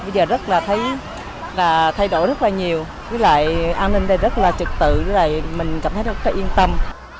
bây giờ thấy thay đổi rất là nhiều an ninh rất là trực tự mình cảm thấy rất yên tâm